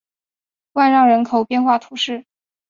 万让人口变化图示